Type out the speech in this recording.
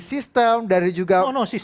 sistem dari juga